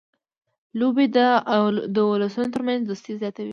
لوبې د اولسونو ترمنځ دوستي زیاتوي.